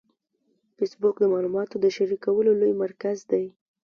فېسبوک د معلوماتو د شریکولو لوی مرکز دی